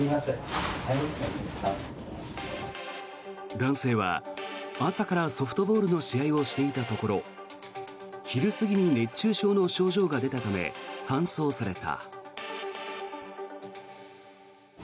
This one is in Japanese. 男性は朝からソフトボールの試合をしていたところ昼過ぎに熱中症の症状が出たため搬送された。